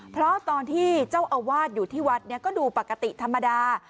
เพราะตอนที่เจ้าอาวาสอยู่ที่วัดก็ดูปกติธรรมดา